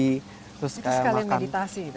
itu sekalian meditasi